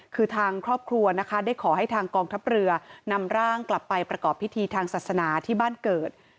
คือทางครอบครัวนะคะได้ขอให้ทางกองทัพเรือนำร่างกลับไปประกอบพิธีทางศาสนาที่บ้านเกิด